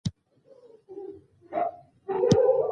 ازادي راډیو د اټومي انرژي د پرمختګ په اړه هیله څرګنده کړې.